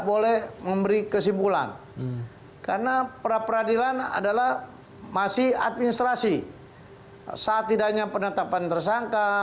boleh memberi kesimpulan karena pra peradilan adalah masih administrasi saat tidaknya penetapan tersangka